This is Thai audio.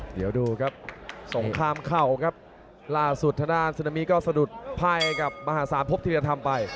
เดี๋ยวดูครับสงครามเข่าครับล่าสุดทางด้านซึนามีก็สะดุดไพ่กับมหาศาลพบธิรธรรมไป